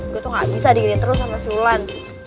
gue tuh gak bisa dikirin terus sama si ulan